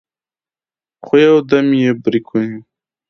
خو يودم يې برېک ونيو.